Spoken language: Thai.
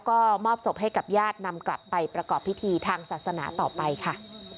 ก็มอบศพให้กับญาตินำกลับไปประกอบพิธีทางศาสนาต่อไปค่ะ